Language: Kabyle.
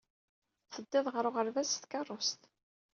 Teddiḍ ɣer uɣerbaz s tkeṛṛust.